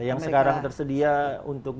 yang sekarang tersedia untuk